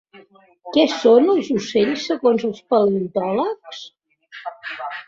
Què són els ocells segons els paleontòlegs?